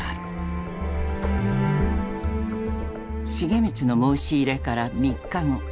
重光の申し入れから３日後。